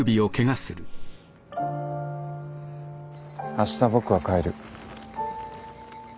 あした僕は帰る。